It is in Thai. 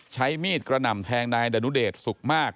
ใช้มีดกระหน่ำแทงนายดนุเดชสุขมาก